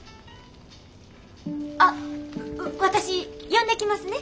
あっ私呼んできますね。